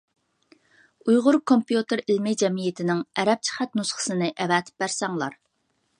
ئۇيغۇر كومپيۇتېر ئىلمى جەمئىيىتىنىڭ ئەرەبچە خەت نۇسخىسىنى ئەۋەتىپ بەرسەڭلار.